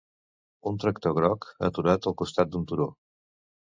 Un tractor groc aturat al costat d'un turó.